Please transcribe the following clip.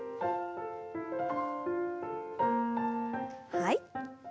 はい。